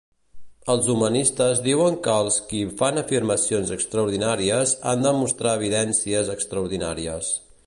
Els humanistes diuen que els qui fan afirmacions extraordinàries han de mostrar evidències extraordinàries.